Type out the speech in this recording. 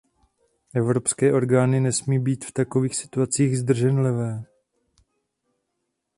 Evropské orgány nesmí být v takových situacích zdrženlivé.